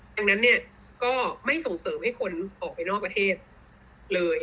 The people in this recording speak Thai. ดังนั้นเนี่ยก็ไม่ส่งเสริมให้คนออกไปนอกประเทศเลย